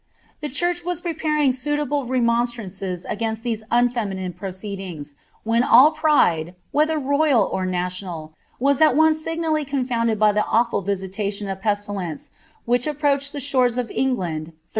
The divrch was preparing suitable remonstrances against these un^minine woeeedings, when all pride, whether royal or national, was at once sig lelly confounded by the awful visitation of pestilence which approached he shores of England, 1348.